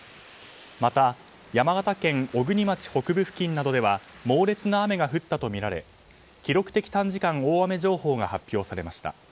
また山形県小国町北部付近などでは猛烈な雨が降ったとみられ記録的短時間大雨情報が発表されました。